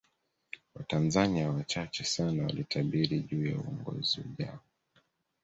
Watanzania wachache sana walitabiri juu ya uongozi ujayo